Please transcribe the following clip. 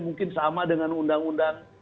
mungkin sama dengan undang undang